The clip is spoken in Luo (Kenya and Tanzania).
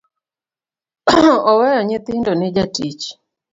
Oweyo nyithindo ne jatich.